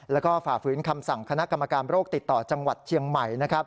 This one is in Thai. แล้วก็ฝ่าฝืนคำสั่งคณะกรรมการโรคติดต่อจังหวัดเชียงใหม่